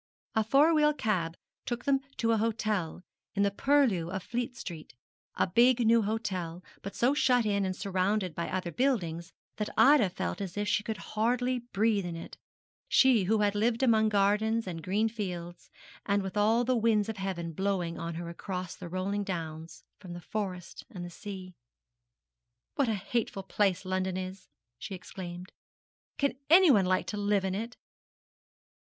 A four wheel cab took them to an hotel in the purlieus of Fleet Street, a big new hotel, but so shut in and surrounded by other buildings that Ida felt as if she could hardly breathe in it she who had lived among gardens and green fields, and with all the winds of heaven blowing on her across the rolling downs, from the forest and the sea. 'What a hateful place London is!' she exclaimed. 'Can any one like to live in it?'